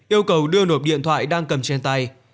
yêu cầu đưa nộp điện thoại đang cầm trên tay